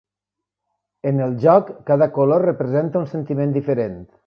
En el joc, cada color representa un sentiment diferent.